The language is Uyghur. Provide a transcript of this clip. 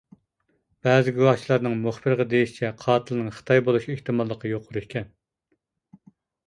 بەزى گۇۋاھچىلارنىڭ مۇخبىرغا دېيىشىچە قاتىلنىڭ خىتاي بولۇش ئېھتىماللىقى يۇقىرى ئىكەن.